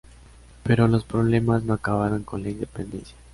Pero los problemas no acabaron con la independencia.